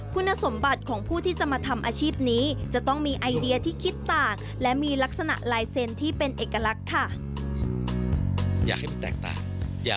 คุณสมบัติของผู้ที่จะมาทำอาชีพนี้จะต้องมีไอเดียที่คิดต่างและมีลักษณะลายเซ็นต์ที่เป็นเอกลักษณ์ค่ะ